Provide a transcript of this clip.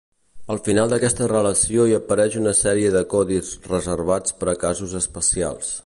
Al final d'aquesta relació hi apareix una sèrie de codis reservats per a casos especials.